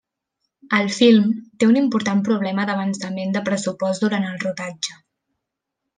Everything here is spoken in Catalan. El film té un important problema d'avançament de pressupost durant el rodatge.